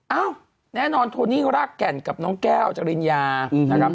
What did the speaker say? เอ้าแน่นอนโทนี่รากแก่นกับน้องแก้วจริญญานะครับ